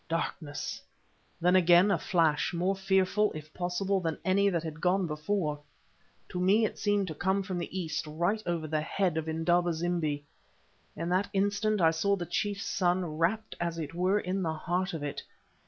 Darkness! then again a flash, more fearful, if possible, than any that had gone before. To me it seemed to come from the east, right over the head of Indaba zimbi. At that instant I saw the chief's son wrapped, as it were, in the heart of it.